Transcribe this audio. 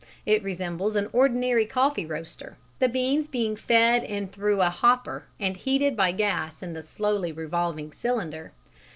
It resembles an ordinary coffee roaster, the beans being fed in through a hopper and heated by gas in the slowly revolving cylinder.